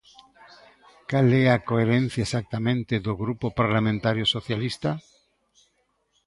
¿Cal é a coherencia exactamente do Grupo Parlamentario Socialista?